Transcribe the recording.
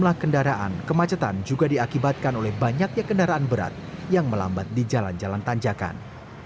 jumlah kendaraan kemacetan juga diakibatkan oleh banyaknya kendaraan berat yang melambat di jalan jalan tanjakan